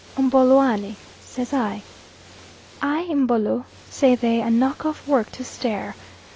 "Mboloani," say I. "Ai! Mbolo," say they, and knock off work to stare.